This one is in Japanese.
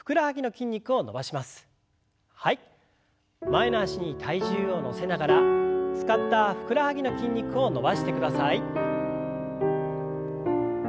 前の脚に体重を乗せながら使ったふくらはぎの筋肉を伸ばしてください。